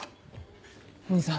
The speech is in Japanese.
お義兄さん